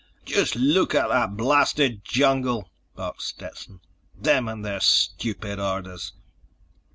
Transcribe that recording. "Just look at that blasted jungle!" barked Stetson. "Them and their stupid orders!"